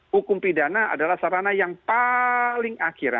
hukum pidana adalah sarana yang paling akhir